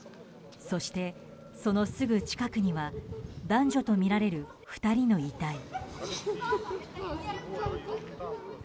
そして、そのすぐ近くには男女とみられる２人の遺体。